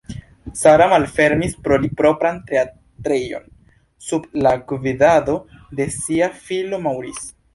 Sarah malfermis por li propran teatrejon sub la gvidado de sia filo Maurice.